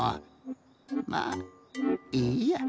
まあいいや。